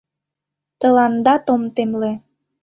— Тыландат ом темле!